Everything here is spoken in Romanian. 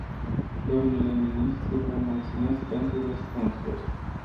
Domnule ministru, vă mulțumesc pentru răspunsuri.